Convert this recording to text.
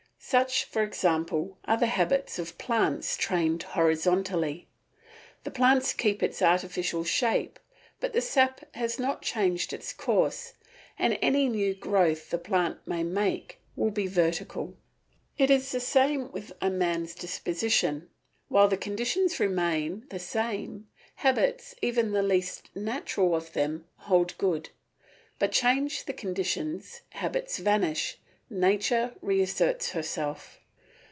Such, for example, are the habits of plants trained horizontally. The plant keeps its artificial shape, but the sap has not changed its course, and any new growth the plant may make will be vertical. It is the same with a man's disposition; while the conditions remain the same, habits, even the least natural of them, hold good; but change the conditions, habits vanish, nature reasserts herself.